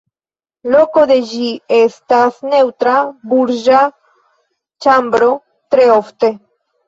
Loko de ĝi estas neŭtra burĝa ĉambro tre ofte.